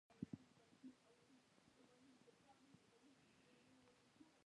د ګیلان ولسوالۍ مشهوره ده